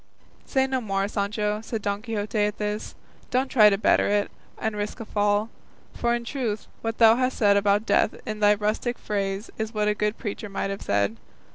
"Say no more, Sancho," said Don Quixote at this; "don't try to better it, and risk a fall; for in truth what thou hast said about death in thy rustic phrase is what a good preacher might have said.